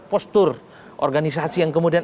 postur organisasi yang kemudian